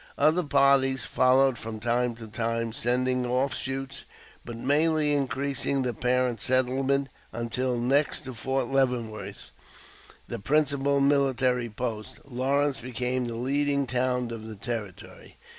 Other parties followed from time to time, sending out off shoots, but mainly increasing the parent settlement, until next to Fort Leavenworth, the principal military post, Lawrence became the leading town of the Territory.